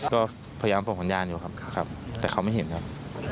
ก็พยายามส่งสัญญาณอยู่ครับแต่เขาไม่เห็นครับ